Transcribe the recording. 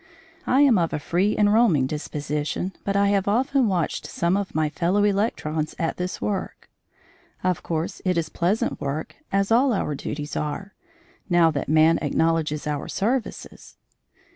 I am of a free and roaming disposition, but I have often watched some of my fellow electrons at this work. Of course, it is pleasant work, as all our duties are, now that man acknowledges our services.